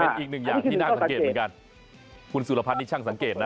เป็นอีกหนึ่งอย่างที่น่าสังเกตเหมือนกันคุณสุรพัฒน์นี่ช่างสังเกตนะ